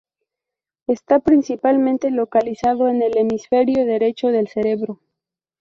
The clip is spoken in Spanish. Está principalmente localizado en el hemisferio derecho del cerebro.